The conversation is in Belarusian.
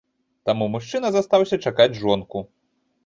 Таму мужчына застаўся чакаць жонку.